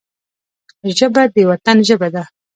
ژبه د وطن ژبه ده